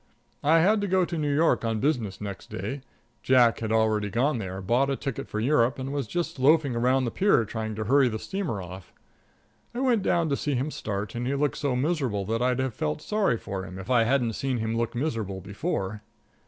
I had to go to New York on business next day. Jack had already gone there, bought a ticket for Europe, and was just loafing around the pier trying to hurry the steamer off. I went down to see him start, and he looked so miserable that I'd have felt sorry for him if I hadn't seen him look miserable before.